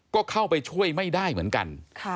ก็เข้าไปช่วยไม่ได้เหมือนกัน